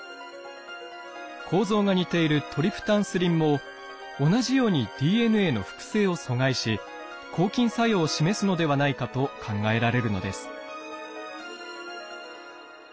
構造が似ているトリプタンスリンも同じようにＤＮＡの複製を阻害し抗菌作用を示すのではないかと考えられるのです。